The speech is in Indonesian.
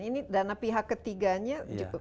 ini dana pihak ketiganya